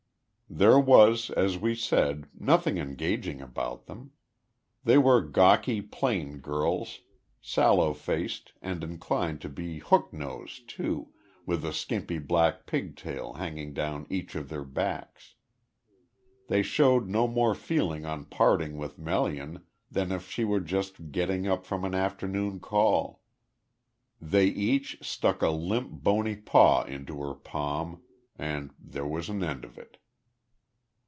There was, as we said, nothing engaging about them. They were gawky plain girls, sallow faced and inclined to be hook nosed too, with a skimpy black pigtail hanging down each of their backs. They showed no more feeling on parting with Melian than if she were just getting up from an afternoon call. They each stuck a limp bony paw into her palm, and there was an end of it.